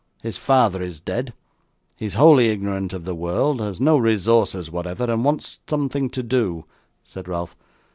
'His father is dead, he is wholly ignorant of the world, has no resources whatever, and wants something to do,' said Ralph.